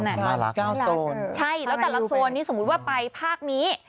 ใช่แล้วแต่ละโซนนี้สมมุติว่าไปภาคนี้